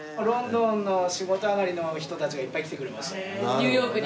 ニューヨークに。